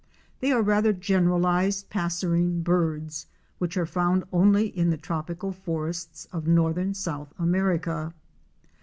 They are rather generalized passerine birds, which are found only in the tropical forests of northern South America.